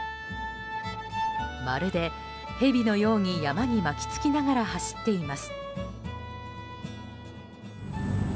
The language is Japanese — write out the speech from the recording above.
まるでヘビのように山に巻き付きながら走っています。